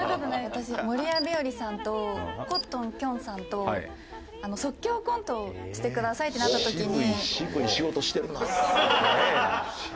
私守谷日和さんとコットンきょんさんと即興コントをしてくださいってなった時に。